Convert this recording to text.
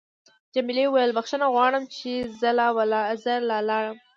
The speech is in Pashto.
جميلې وويل: بخښنه غواړم چې زه لاړم.